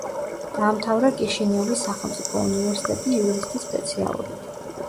დაამთავრა კიშინიოვის სახელმწიფო უნივერსიტეტი იურისტის სპეციალობით.